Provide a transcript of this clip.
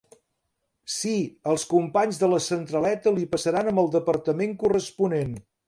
Sí, els companys de la centraleta li passaran amb el departament corresponent.